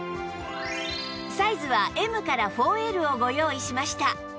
サイズは Ｍ から ４Ｌ をご用意しました